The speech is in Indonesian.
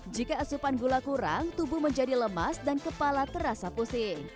jika asupan gula kurang tubuh menjadi lemas dan kepala terasa pusing